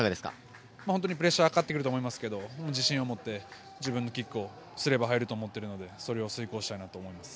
プレッシャーがかかってくると思いますけれども自信を持って自分のキックをすれば入ると思ってくるので遂行したいと思います。